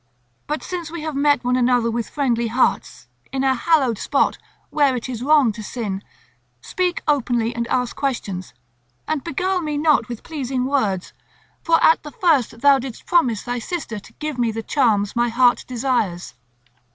But since we have met one another with friendly hearts, in a hallowed spot, where it is wrong to sin, speak openly and ask questions, and beguile me not with pleasing words, for at the first thou didst promise thy sister to give me the charms my heart desires.